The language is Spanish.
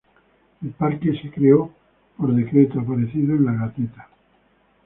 El parque fue creado por decreto aparecido en Gaceta No.